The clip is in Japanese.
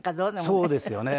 そうですよね。